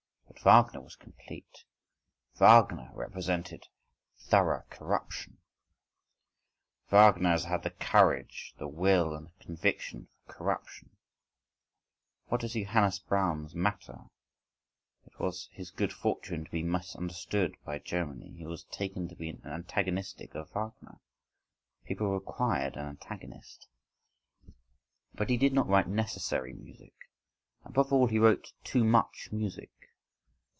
But Wagner was complete, Wagner represented thorough corruption, Wagner has had the courage, the will, and the conviction for corruption. What does Johannes Brahms matter?… It was his good fortune to be misunderstood by Germany; he was taken to be an antagonist of Wagner—people required an antagonist!—But he did not write necessary music, above all he wrote too much music!